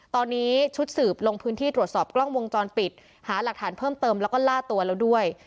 ตอนนี้ชุดสืบลงพื้นที่ตรวจสอบกล้องวงจรปิดหาหลักฐานเพิ่มเติมแล้วก็ล่าตัวแล้วด้วย